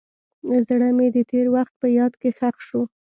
زړه مې د تېر وخت په یاد کې ښخ شو.